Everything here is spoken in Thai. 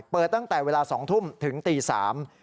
เปิดตั้งแต่เวลา๒ทุมถึง๓นาที